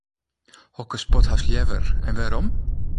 Hokker sport hast leaver en wêrom?